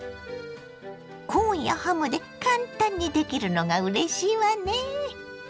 コーンやハムで簡単にできるのがうれしいわね。